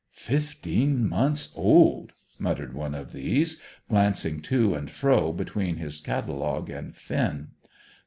"Fifteen months old!" muttered one of these, glancing to and fro between his catalogue and Finn.